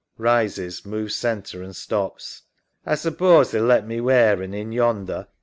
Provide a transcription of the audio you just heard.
(Rises, moves centre and stops) A suppose they'll let me wear un in yonder.